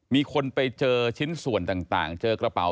มีคนไปเจอชิ้นส่วนต่างเจอกระเป๋า